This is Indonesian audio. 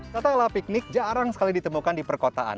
katalah piknik jarang sekali ditemukan di perkotaan